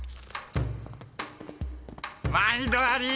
まいどあり。